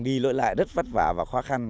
vì lỗi lại rất vất vả và khó khăn